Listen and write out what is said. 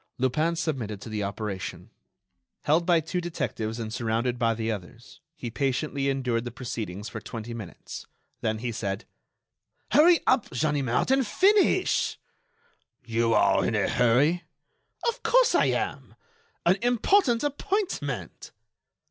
Lupin submitted to the operation. Held by two detectives and surrounded by the others, he patiently endured the proceedings for twenty minutes, then he said: "Hurry up, Ganimard, and finish!" "You are in a hurry." "Of course I am. An important appointment."